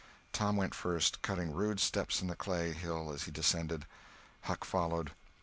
Tom went first, cutting rude steps in the clay hill as he descended. Huck followed.